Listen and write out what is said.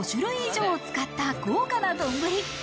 ５種類以上を使った豪華な丼。